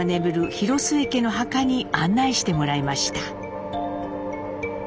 広末家の墓に案内してもらいました。